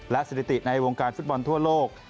และสถิติในวงการฟุตบอลทั่วโลก